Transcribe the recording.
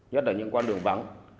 nhất là những quan đường vắng